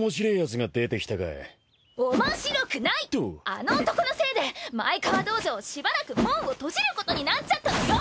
あの男のせいで前川道場しばらく門を閉じることになっちゃったのよ！